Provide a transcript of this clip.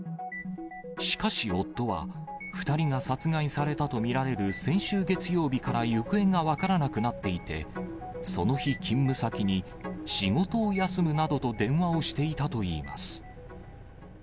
しかし夫は、２人が殺害されたと見られる先週月曜日から行方が分からなくなっていて、その日、勤務先に、仕事を休むなどと電話をしていたといいます。